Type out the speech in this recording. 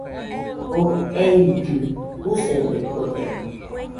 Oo eillɨ jusebekode